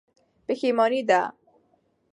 پښېماني ده.